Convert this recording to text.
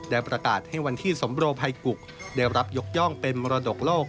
ได้ประกาศให้วันที่สมโรภัยกุกได้รับยกย่องเป็นมรดกโลก